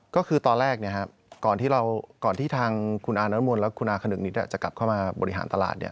ก็คือตอนแรกก่อนที่ทางคุณอาน้ำมนต์และคุณอาขนึงนิดจะกลับเข้ามาบริหารตลาด